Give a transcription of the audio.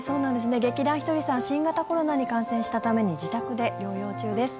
劇団ひとりさん新型コロナに感染したために自宅で療養中です。